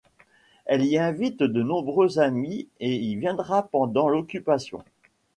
Elle y invite de nombreux amis et y viendra pendant l'Occupation.